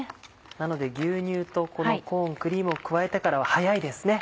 なので牛乳とこのコーンクリームを加えてからは早いですね